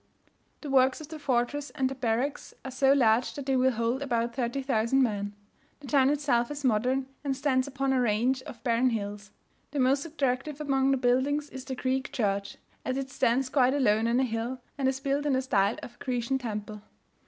The works of the fortress and the barracks are so large that they will hold about 30,000 men. The town itself is modern, and stands upon a range of barren hills. The most attractive among the buildings is the Greek church, as it stands quite alone on a hill, and is built in the style of a Grecian temple.